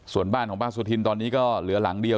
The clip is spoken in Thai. ส่วนบ้านของป้าสุธินตอนนี้ก็เหลือหลังเดียว